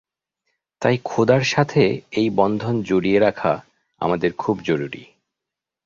তাই খোদার সাথে এই বন্ধন জড়িয়ে রাখা আমাদের খুব জরুরি।